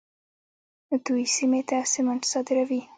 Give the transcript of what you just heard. دوی سیمې ته سمنټ صادروي.